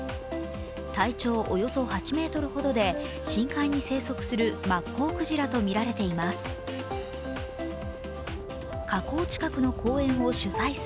体長およそ８ｍほどで深海に生息するマッコウクジラとみられています。